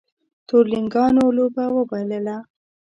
تورلېنګانو لوبه وبایلله